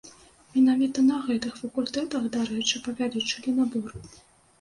Менавіта на гэтых факультэтах, дарэчы, павялічылі набор.